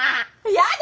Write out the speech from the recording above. やだ！